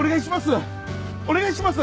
お願いします